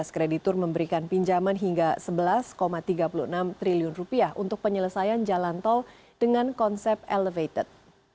dua belas kreditur memberikan pinjaman hingga rp sebelas tiga puluh enam triliun untuk penyelesaian jalan tol dengan konsep elevated